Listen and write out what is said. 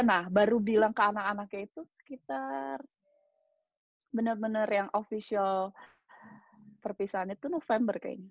nah baru bilang ke anak anaknya itu sekitar benar benar yang official perpisahannya itu november kayaknya